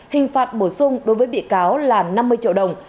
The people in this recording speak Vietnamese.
hình phạt bổ sung đối với bị cáo là năm mươi triệu đồng